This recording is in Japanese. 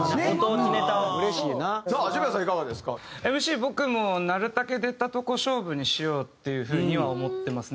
僕もなるたけ出たとこ勝負にしようっていう風には思ってますね。